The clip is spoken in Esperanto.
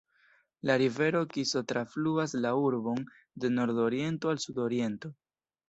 La rivero Kiso trafluas la urbon de nordoriento al sudoriento.